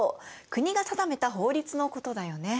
国が定めた法律のことだよね。